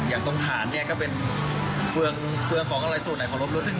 อย่างตรงฐานเนี่ยก็เป็นเฟืองของอะไรส่วนไหนของรถรุ่น